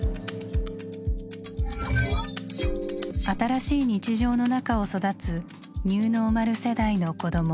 新しい日常の中を育つ「ニューノーマル世代」の子ども。